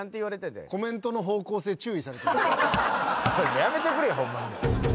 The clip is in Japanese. やめてくれよホンマに。